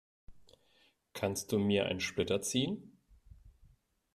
Kannst du mir einen Splitter ziehen?